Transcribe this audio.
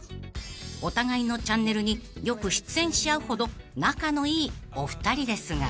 ［お互いのチャンネルによく出演し合うほど仲のいいお二人ですが］